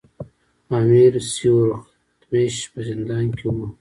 امیر سیورغتمیش په زندان کې وو.